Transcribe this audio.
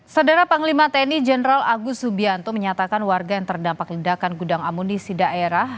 saudara panglima tni jenderal agus subianto menyatakan warga yang terdampak ledakan gudang amunisi daerah